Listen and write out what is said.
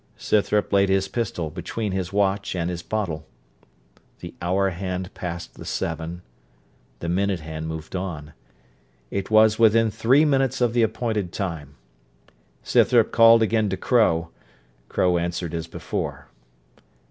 Scythrop laid his pistol between his watch and his bottle. The hour hand passed the VII. the minute hand moved on; it was within three minutes of the appointed time. Scythrop called again to Crow: Crow answered as before.